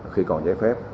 khi còn trái phép